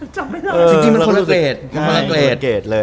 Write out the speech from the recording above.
จริงมันคนละเกรด